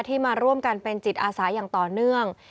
มาร่วมกันเป็นจิตอาสาอย่างต่อเนื่อง